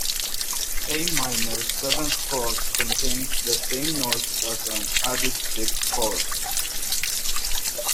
A minor seventh chord contains the same notes as an added sixth chord.